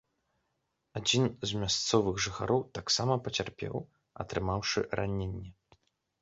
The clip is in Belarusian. Адзін з мясцовых жыхароў таксама пацярпеў, атрымаўшы раненні.